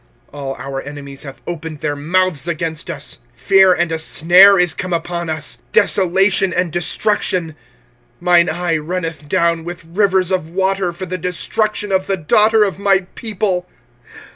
25:003:046 All our enemies have opened their mouths against us. 25:003:047 Fear and a snare is come upon us, desolation and destruction. 25:003:048 Mine eye runneth down with rivers of water for the destruction of the daughter of my people.